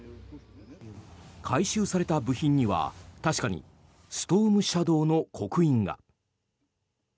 回収された部品には、確かにストームシャドーの刻印が。